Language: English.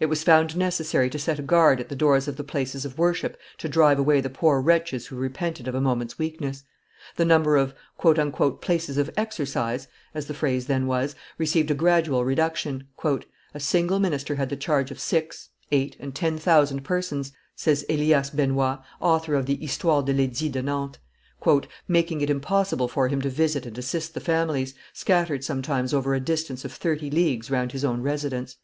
It was found necessary to set a guard at the doors of the places of worship to drive away the poor wretches who repented of a moment's weakness; the number of "places of exercise," as the phrase then was, received a gradual reduction; "a single minister had the charge of six, eight, and ten thousand persons," says Elias Benoit, author of the Histoire de l'Edit de Nantes, making it impossible for him to visit and assist the families, scattered sometimes over a distance of thirty leagues round his own residence.